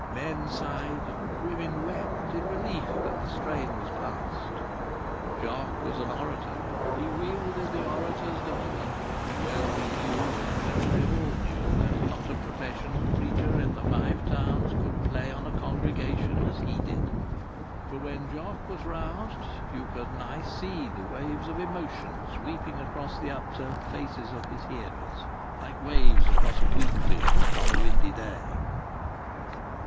Men sighed and women wept, in relief that the strain was past. Jock was an orator; he wielded the orator's dominion. Well he knew, and well they all knew, that not a professional preacher in the Five Towns could play on a congregation as he did. For when Jock was roused you could nigh see the waves of emotion sweeping across the upturned faces of his hearers like waves across a wheatfield on a windy day.